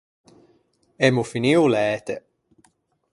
Emmo finio o læte.